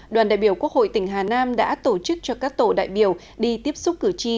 đoàn đại biểu quốc hội tỉnh hà nam đã tổ chức cho các tổ đại biểu đi tiếp xúc cử tri